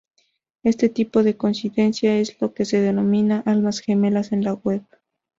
Este tipo de coincidencia, es lo que se denomina "almas gemelas" en la web.